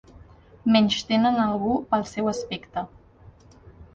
Menystenen algú pel seu aspecte.